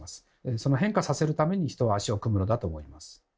その変化させるために人は足を組むのだと思います。